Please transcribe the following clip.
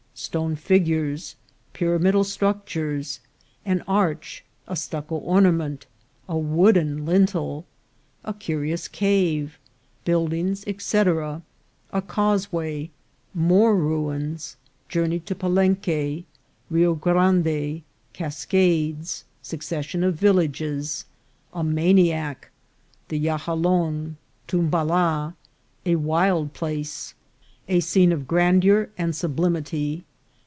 — Stone Figures. — Pyrami dal Structures. — An Arch. — A Stucco Ornament. — A Wooden Lintel.~ A cu rious Cave. — Buildings, &c. — A Causeway. — More Ruins. — Journey to Pa lenque. — Rio Grande. — Cascades. — Succession of Villages. — A Maniac. — The Yahalon. — Tumbala. — A wild Place. — A Scene of Grandeur and Sublimity.